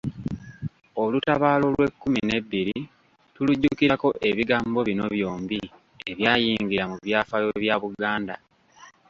Olutabaalo olw'ekkumi n'ebbiri tulujjukirako ebigambo bino byombi ebyayingira mu byafaayo bya Buganda.